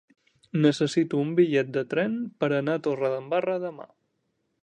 Necessito un bitllet de tren per anar a Torredembarra demà.